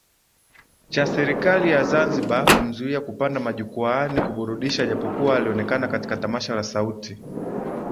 cha serikali ya Zanzibar kumzuia kupanda majukwaani kuburudisha japokuwa alionekana katika tamasha la Sauti